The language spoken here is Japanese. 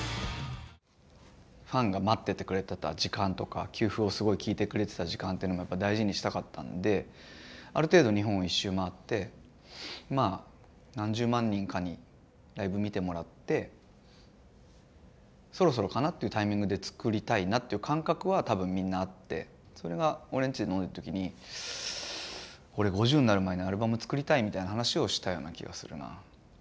ファンが待っててくれてた時間とか旧譜をすごい聴いてくれてた時間っていうのもやっぱ大事にしたかったんである程度日本を一周回ってまあ何十万人かにライブ見てもらってそろそろかなっていうタイミングで作りたいなっていう感覚は多分みんなあってそれが俺んちで飲んでる時に俺５０になる前にアルバム作りたいみたいな話をしたような気がするな。